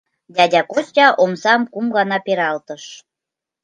Дядя Костя омсам кум гана пералтыш.